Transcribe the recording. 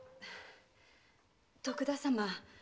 徳田様